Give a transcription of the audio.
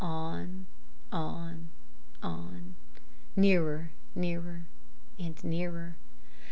On, on, on nearer, nearer and nearer.